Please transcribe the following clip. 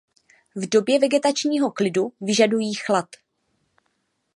V době vegetačního klidu vyžadují chlad.